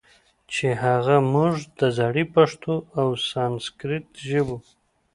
چې هغه موږ د زړې پښتو او سانسکریت ژبو